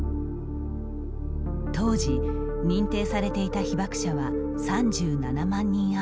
当時、認定されていた被爆者は３７万人余り。